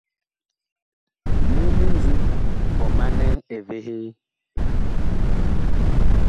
Nyu mindím ɔ manɛ evehee.